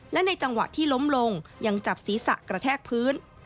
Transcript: และในจังหวะที่ล้มลงยังจับศีรษะกระแทกพื้น